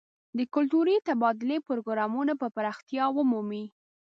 د کلتوري تبادلې پروګرامونه به پراختیا ومومي.